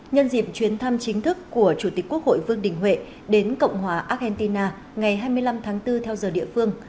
nhân dịp chuyến thăm chính thức của chủ tịch quốc hội vương đình huệ đến cộng hòa argentina ngày hai mươi năm tháng bốn theo giờ địa phương